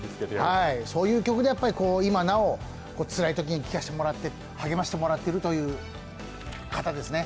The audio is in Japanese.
そういう曲で、今なおつらいときに聴かせてもらって励ましてもらっているという方ですね。